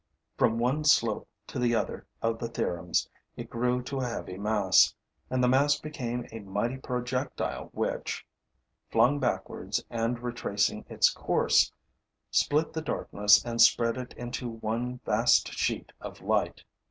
From one slope to the other of the theorems, it grew to a heavy mass; and the mass became a mighty projectile which, flung backwards and retracing its course, split the darkness and spread it into one vast sheet of light.